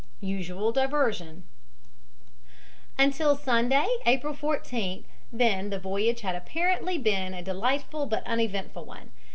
USUAL DIVERSION Until Sunday, April 14th, then, the voyage had apparently been a delightful but uneventful one.